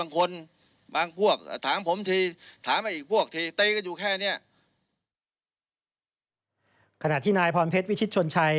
ขณะที่นายพรเพชรวิชิตชนชัย